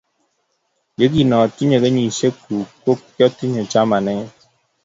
Yekingatinye kenyisyekuk ko kiatinye chamanet